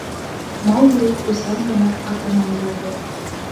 Маугли уйсан ғына артынан йүгерҙе.